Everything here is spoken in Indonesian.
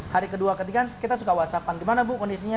hari ke dua ke tiga kita suka whatsappan gimana bu kondisinya